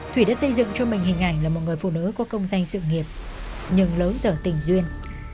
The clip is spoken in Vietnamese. thủy đã xây dựng cho mình hình ảnh là một người phụ nữ có công danh sự nghiệp nhưng lớn giờ tình duyên